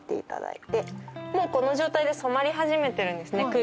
もうこの状態で染まり始めてるんですね。